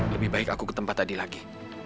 lebih baik aku ke tempat tadi lagi